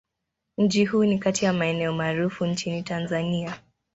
Mji huu ni kati ya maeneo maarufu nchini Tanzania.